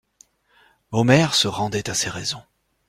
Omer se rendait à ces raisons.